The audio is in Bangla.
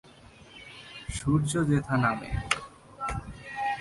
সূর্য্য যেথা নামে।